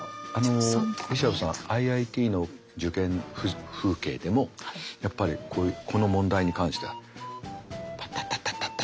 リシャブさんＩＩＴの受験風景でもやっぱりこの問題に関してはタッタッタッタッタッ